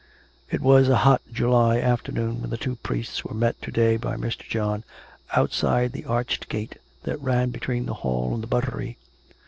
It was a hot July afternoon when the two priests were met to day by Mr. John outside the arched gate that ran between the hall and the buttery.